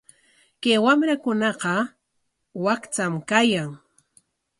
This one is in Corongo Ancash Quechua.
Kay wamrakunaqa wakcham kayan.